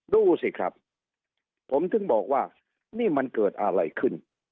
ดูสิครับผมถึงบอกว่านี่มันเกิดอะไรขึ้น